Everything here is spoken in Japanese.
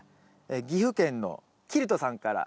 岐阜県のキルトさんから。